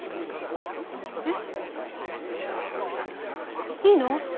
えっ？いいの？